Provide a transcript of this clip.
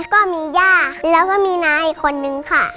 ก็มีย่าแล้วก็มีน้าอีกคนนึงค่ะ